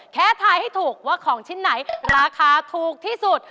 ทายให้ถูกว่าของชิ้นไหนราคาถูกที่สุด